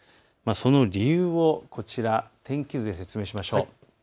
その理由を天気図で説明しましょう。